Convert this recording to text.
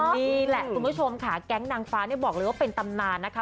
นี่แหละคุณผู้ชมค่ะแก๊งนางฟ้าเนี่ยบอกเลยว่าเป็นตำนานนะคะ